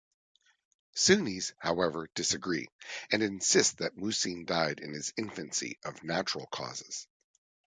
Sunnis, however disagree, and insist that Muhsin died in his infancy of natural causes.